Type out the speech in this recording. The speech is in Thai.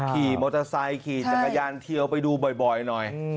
ขี่มอเตอร์ไซค์ขี่จักรยานเทียวไปดูบ่อยหน่อย